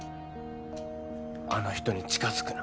あの人に近づくな。